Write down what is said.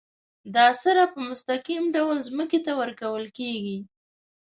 دا سره په مستقیم ډول ځمکې ته ورکول کیږي.